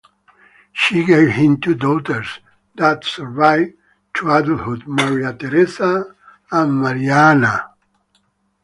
She gave him two daughters that survived to adulthood, Maria Theresa and Maria Anna.